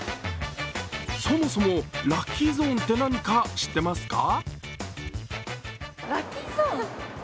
そもそもラッキーゾーンって何か知ってますか？